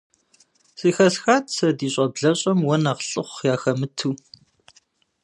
Зыхэсхат сэ ди щӀэблэщӀэм уэ нэхъ лӀыхъу яхэмыту.